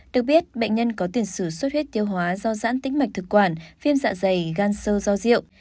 được biết bệnh nhân có tiền sử suất huyết tiêu hóa do dãn tính mạch thực quản phim dạ dày gan sơ do rượu